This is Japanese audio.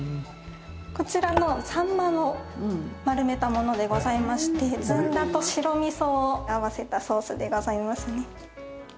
こちらの秋刀魚の丸めたものでございましてずんだと白味噌を合わせたソースでございますね。